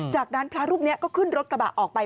จากนั้นพระรูปนี้ก็ขึ้นรถกระบะออกไป